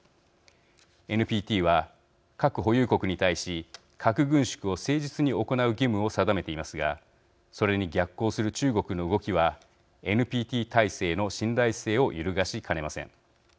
ＮＰＴは核保有国に対し核軍縮を誠実に行う義務を定めていますがそれに逆行する中国の動きはＮＰＴ体制の信頼性を揺るがしかねません。